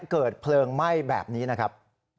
เกิดเพลิงไหม้แบบนี้นะครับ